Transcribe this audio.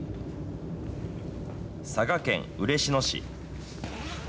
佐賀県嬉野市。